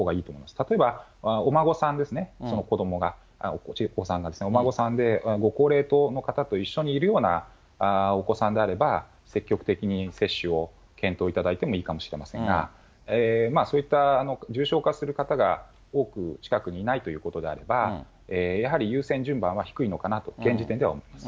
例えば、お孫さんですね、そのお子さんがお孫さんで、ご高齢の方と一緒にいるようなお子さんであれば、積極的に接種を検討いただいてもいいかもしれませんが、そういった重症化する方が多く近くにいないということであれば、やはり優先順番は低いのかなと、現時点では思います。